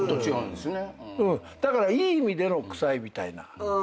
だからいい意味での「くさい」みたいな。